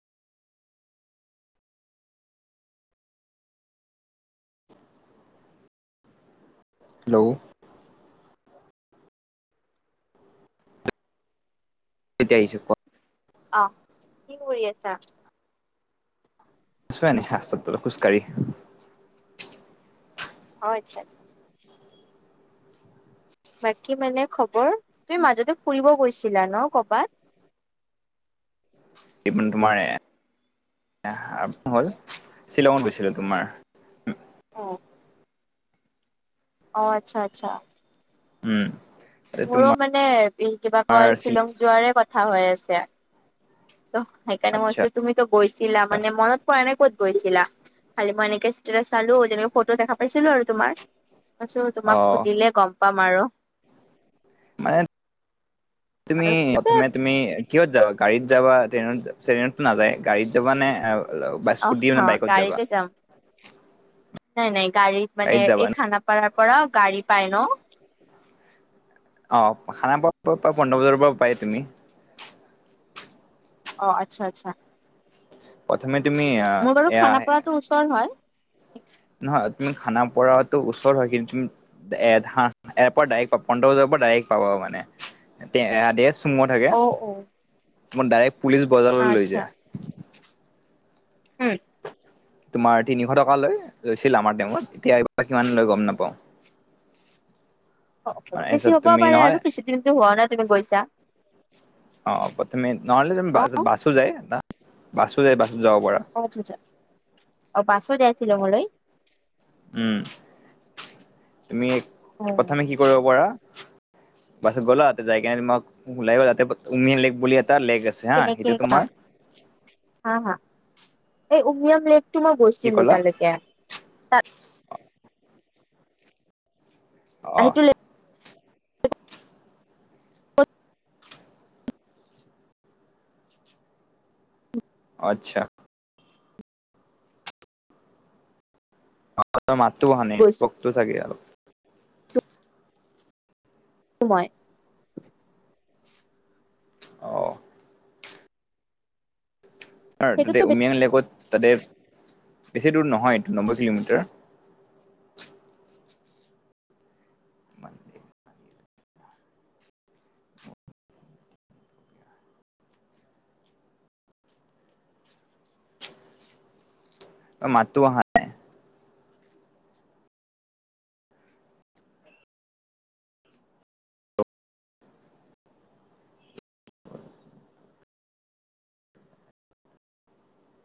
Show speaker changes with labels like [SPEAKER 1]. [SPEAKER 1] [inaudible] Hello? তেতিয়া আহিছে ক
[SPEAKER 2] অ, কি কৰি আছা?
[SPEAKER 1] োৱ [inaudible] নেিা্তাতো খোজকাঢ়ি
[SPEAKER 2] অ আচ্ছা। বাকী মানে খবৰ, তুমি মাজতে ফুৰিব গৈছিলা ন কৰবাত?
[SPEAKER 1] [inaudible] তোমাৰে এ হা হ'ল শ্বিলঙত গৈছিলো তোমাৰ।
[SPEAKER 2] অ। অ আচ্ছা আচ্ছা।
[SPEAKER 1] উম।
[SPEAKER 2] মোৰো
[SPEAKER 1] তোমাৰ
[SPEAKER 2] মানে বি কিবা কয় শ্বিলং যোৱাৰে কথা হৈ আছে। ত সেইকাৰণে মই
[SPEAKER 1] আচ্ছা
[SPEAKER 2] কৈছোঁ তুমি ত গৈছিলা মানে মনত পৰা নাই ক'ত গৈছিলা? খালি মই এনেকে ষ্টে চালো যেনেকা ফট দেখা পাইছিলো আৰু তোমাৰ, পাছো
[SPEAKER 1] অ
[SPEAKER 2] তোমাক সুধিলে গম পাম আৰু।
[SPEAKER 1] মানে তুমি
[SPEAKER 2] আৰু
[SPEAKER 1] প্ৰথমে তুমি কিহত যাবা? গাড়ীত যাবা ট্ৰেইনত ট্ৰেইনতো নাযায়, গাড়ীত যাবা নে আ ল
[SPEAKER 2] অহ গাড়ীতে যাম। নাই নাই গাড়ীত মানে
[SPEAKER 1] যাবা
[SPEAKER 2] এই
[SPEAKER 1] ন
[SPEAKER 2] খানাপাৰাৰ পৰা গাড়ী পায় ন?
[SPEAKER 1] [inaudible] অঁ খানাপৰা পৰা পৰা পন্ধ্ৰ বজাৰ পৰা পায় তুমি।
[SPEAKER 2] অ আচ্ছা আচ্ছা।
[SPEAKER 1] প্ৰথমে তুমি আ
[SPEAKER 2] মোৰ বাৰু খানাপাৰাটো ওচৰ হয়।
[SPEAKER 1] নহয়, তুমি খানাপৰাটো ওচৰ হয় কিন্তু এধা এয়াৰপৰ্ট ডাইৰেক্ট পাব পলটন বজাৰৰপৰা ডাইৰেক্ট পাব মানে তে আ দেছ টুম থাকে,
[SPEAKER 2] অ অ
[SPEAKER 1] তোমাক ডাইৰেক্ট পুলিচ বজাৰলৈ লৈ যায়।
[SPEAKER 2] উম।
[SPEAKER 1] তোমাৰ তিনিশ টকা লৈ লৈছিল আমাৰ টাইমত এতিয়া এই কিমান লৈ গম নাপাওঁ। মানে
[SPEAKER 2] অকণমান বেছি
[SPEAKER 1] তাৰপিছত
[SPEAKER 2] হবও
[SPEAKER 1] তুমি
[SPEAKER 2] পাৰে
[SPEAKER 1] নহয়
[SPEAKER 2] আৰু বেছি তুমিতো হোৱা নাই তুমি গৈছা।
[SPEAKER 1] অ প্ৰথমে নহলে
[SPEAKER 2] ন?
[SPEAKER 1] বা বাছো যায় বা বাছো যায় বাছ যাব পাৰা।
[SPEAKER 2] অ [inaudible] অ বাছো দিয়া শ্বিলঙলৈ।
[SPEAKER 1] উম। তুমি প্ৰথমে কি কৰিব পাৰা বাছত গ'লা তে যায় কেন মক ওলাই গল তাতে উমী লেক বুলি এটা লেক আছ
[SPEAKER 2] কেনেকে হা, হা হা এই উমিয়ম লেক টো মই
[SPEAKER 1] কি
[SPEAKER 2] গৈছিলো
[SPEAKER 1] ক'লা
[SPEAKER 2] তালৈকে
[SPEAKER 1] অ।
[SPEAKER 2] সেইটো লেক উত
[SPEAKER 1] আচ্ছা। তোমাৰ মাতটো অহা নাই
[SPEAKER 2] গৈছো
[SPEAKER 1] নেটৱৰ্কটো চাগে অলপ
[SPEAKER 2] সমোই [inaudible]
[SPEAKER 1] অহ। কাৰ তাতে
[SPEAKER 2] সেইটোতো
[SPEAKER 1] উমিয়ং লেকত তাতে বেছি দূৰ নহয় এইটো নবৈ কিলোমিটাৰ। মন্দে। এ মাততো অহা- [inaudible]